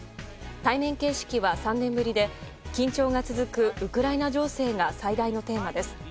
対面形式は３年ぶりで緊張が続くウクライナ情勢が最大のテーマです。